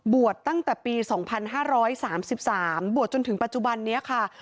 ตั้งแต่ปี๒๕๓๓บวชจนถึงปัจจุบันนี้ค่ะ